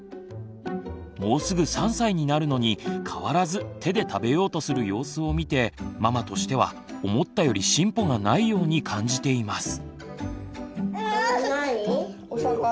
もうすぐ３歳になるのに変わらず手で食べようとする様子を見てママとしては思ったより進歩がないように感じています。